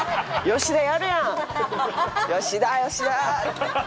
吉田吉田！